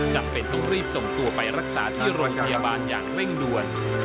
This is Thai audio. จำเป็นต้องรีบส่งตัวไปรักษาที่โรงพยาบาลอย่างเร่งด่วน